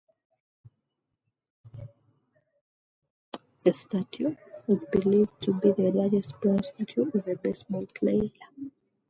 The statue is believed to be the largest bronze statue of a baseball player.